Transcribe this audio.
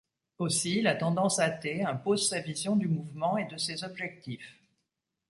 Aussi, la tendance athée impose sa vision du mouvement et de ses objectifs.